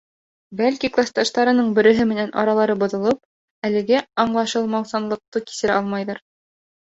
Бәлки, класташтарының береһе менән аралары боҙолоп, әлеге аңлашылмаусанлыҡты кисерә алмайҙыр.